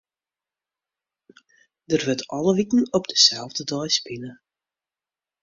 Der wurdt alle wiken op deselde dei spile.